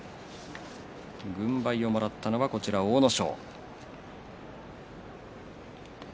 軍配をもらったのは阿武咲。